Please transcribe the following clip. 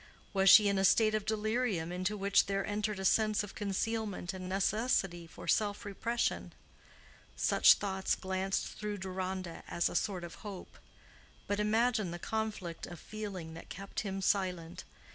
Was she in a state of delirium into which there entered a sense of concealment and necessity for self repression? Such thoughts glanced through Deronda as a sort of hope. But imagine the conflict of feeling that kept him silent.